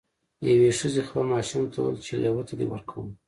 یوې ښځې خپل ماشوم ته وویل چې لیوه ته دې ورکوم.